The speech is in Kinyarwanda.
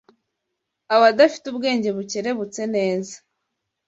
abadafite ubwenge bukerebutse neza